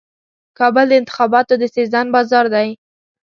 کابل د انتخاباتو د سیزن بازار دی.